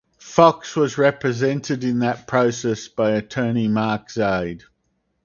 Fox was represented in that process by attorney Mark Zaid.